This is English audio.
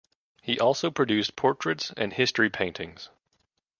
He also produced portraits and history paintings.